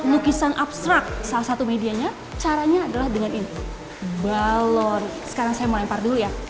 lukisan abstrak salah satu medianya caranya adalah dengan ini balon sekarang saya mau lempar dulu ya